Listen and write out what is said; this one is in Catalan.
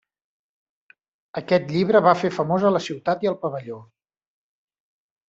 Aquest llibre va fer famosa la ciutat i el pavelló.